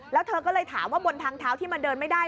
แล้วเธอก็เลยถามว่าบนทางเท้าที่มันเดินไม่ได้